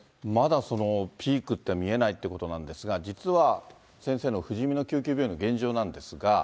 まだそのピークって、まだ見えないっていうことですが、実は先生のふじみの救急病院の現状なんですが。